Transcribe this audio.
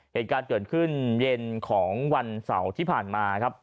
เหตุการณ์เกิดขึ้นเย็นของวันเสาร์ที่ผ่านมาครับ